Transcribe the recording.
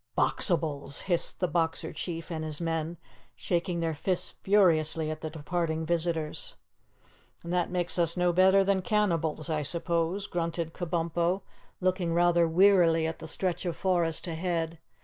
"Boxibals!" hissed the Boxer Chief and his men, shaking their fists furiously at the departing visitors. "And that makes us no better than cannibals, I suppose," grunted Kabumpo, looking rather wearily at the stretch of forest ahead.